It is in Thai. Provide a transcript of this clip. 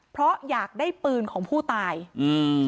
เพราะอยากได้ปืนของผู้ตายอืม